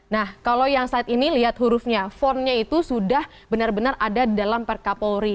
nah kalau yang slide ini lihat hurufnya fontnya itu sudah benar benar ada di dalam perka polri